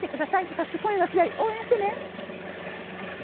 そして、今夜の試合応援してね！